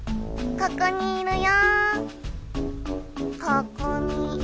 ここにいるよ。